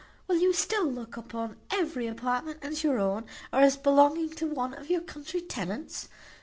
Will you still look upon every apartment as your own, or as belonging to one of your country tenants?